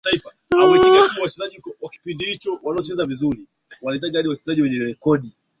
wakeLuther alitumia kwa nadra neno urekebisho lakini likaja kuwa